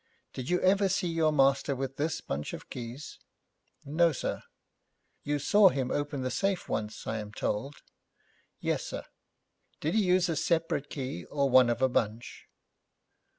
'Did you ever see your master with this bunch of keys?' 'No, sir.' 'You saw him open the safe once, I am told?' 'Yes, sir.' 'Did he use a separate key, or one of a bunch?'